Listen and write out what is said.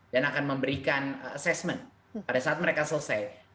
dan akan memberikan assessment pada saat mereka selesai